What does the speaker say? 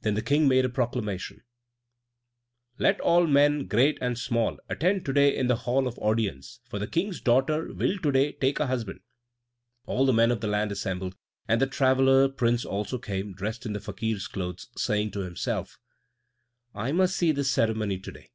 Then the King made a proclamation: "Let all men, great and small, attend to day in the hall of audience, for the King's daughter will to day take a husband." All the men of the land assembled, and the traveller Prince also came, dressed in the Fakir's clothes, saying to himself, "I must see this ceremony to day."